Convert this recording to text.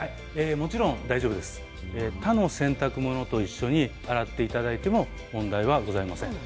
もちろん大丈夫ですしほかの洗濯物と一緒に洗っていただいても問題ございません。